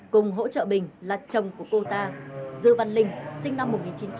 cùng hỗ trợ bình là chồng của cô ta dư văn linh sinh năm một nghìn chín trăm tám mươi